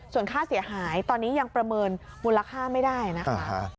ส่วนค่าเสียหายตอนนี้ยังประเมินมูลค่าไม่ได้นะคะ